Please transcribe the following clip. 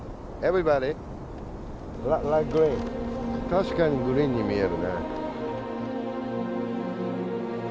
確かにグリーンに見えるね。